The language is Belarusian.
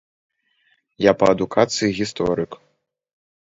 Я па адукацыі гісторык.